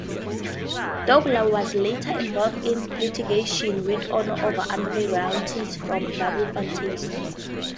Douglas was later involved in litigation with Ono over unpaid royalties from "Double Fantasy".